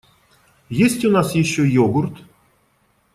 Есть у нас ещё йогурт?